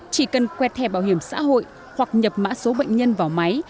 chỉ cần quẹt thẻ bảo hiểm xã hội hoặc nhập mã số bệnh nhân vào máy